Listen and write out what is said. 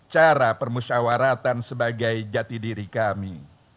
cara permusyawaratan sebagai jati diri kami